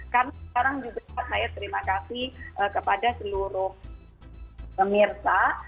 karena sekarang juga saya terima kasih kepada seluruh pemirsa